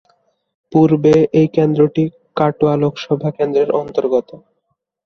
পূর্বে এই কেন্দ্রটি কাটোয়া লোকসভা কেন্দ্রেরঅন্তর্গত।